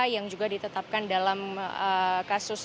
yang juga ditetapkan dalam kasus